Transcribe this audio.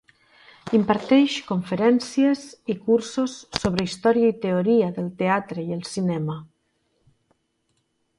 Imparteix conferències i cursos sobre història i teoria del teatre i el cinema.